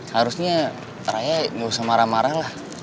harusnya raya gak usah marah marah lah